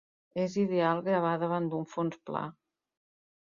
És ideal gravar davant d'un fons pla.